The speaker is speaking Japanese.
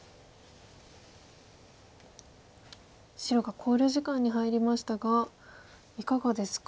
白が考慮時間に入りましたがいかがですか？